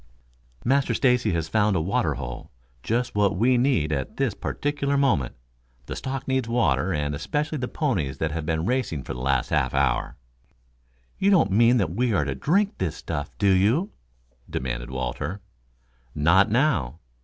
"Master Stacy has found a water hole, just what we need at this particular moment. The stock needs water, and especially the ponies that have been racing for the last half hour." "You don't mean that we are to drink that stuff, do you?" demanded Walter. "Not now.